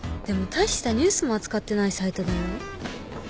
でも大したニュースも扱ってないサイトだよ？